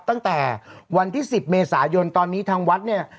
ตั้งแต่วันที่๑๐เมษายนตอนนี้ทางวัดเนี่ย